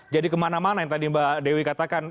jadi kemana mana yang tadi mbak dewi katakan